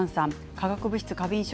化学物質過敏症